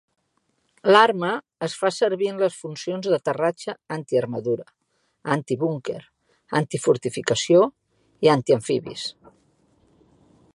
L'arma es fa servir en les funcions d"aterratge anti-armadura, anti-búnquer, anti-fortificació i anti-amfibis.